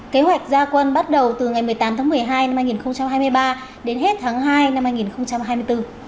kế hoạch gia quân bắt đầu từ ngày một mươi tám tháng một mươi hai năm hai nghìn hai mươi ba đến hết tháng hai năm hai nghìn hai mươi bốn